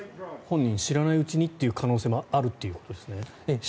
本人知らないうちにという可能性もあるということですね。